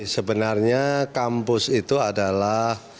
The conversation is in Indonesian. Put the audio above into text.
sebenarnya kampus itu adalah